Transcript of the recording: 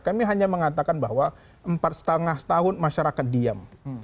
kami hanya mengatakan bahwa empat lima setahun masyarakat diam